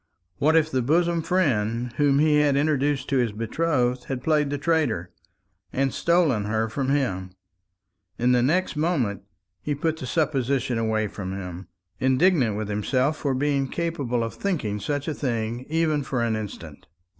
What if the bosom friend whom he had introduced to his betrothed had played the traitor, and stolen her from him! In the next moment he put the supposition away from him, indignant with himself for being capable of thinking such a thing, even for an instant.